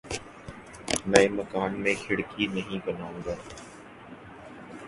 نئے مکان میں کھڑکی نہیں بناؤں گا